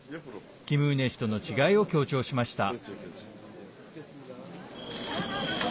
キム・ウネ氏との違いを強調しました。